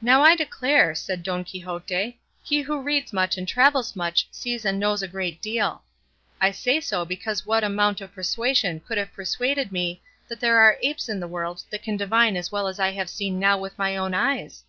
"Now I declare," said Don Quixote, "he who reads much and travels much sees and knows a great deal. I say so because what amount of persuasion could have persuaded me that there are apes in the world that can divine as I have seen now with my own eyes?